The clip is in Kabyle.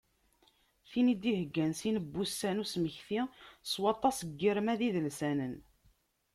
Tin i d-iheggan sin wussan n usmekti, s waṭas n yiremad idelsanen.